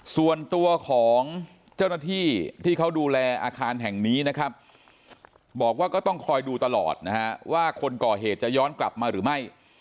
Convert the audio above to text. ส่วนตัวของเจ้าหน้าที่ที่เขาดูแลอาคารแห่งนี้นะครับบอกว่าก็ต้องคอยดูตลอดนะฮะว่าคนก่อเหตุจะย้อนกลับมาหรือไม่